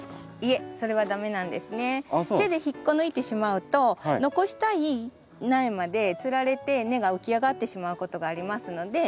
手で引っこ抜いてしまうと残したい苗までつられて根が浮き上がってしまうことがありますので。